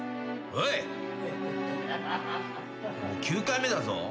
９回目だぞ。